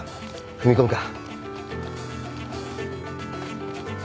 踏み込むか。